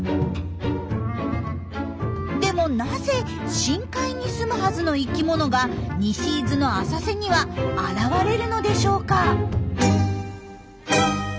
でもなぜ深海にすむはずの生きものが西伊豆の浅瀬には現れるのでしょうか？